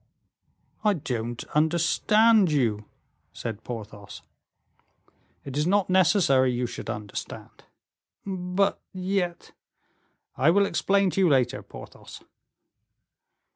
"I don't understand you," said Porthos. "It is not necessary you should understand." "But yet " "I will explain to you later, Porthos."